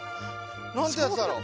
何てやつだろ？